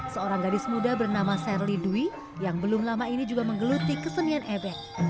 seorang gadis muda bernama serly dwi yang belum lama ini juga menggeluti kesenian ebek